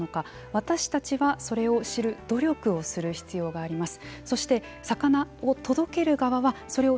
私たちはそれを知る努力をする必要があります。